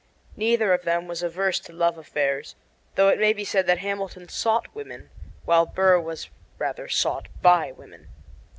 Neither of them was averse to love affairs, though it may be said that Hamilton sought women, while Burr was rather sought by women.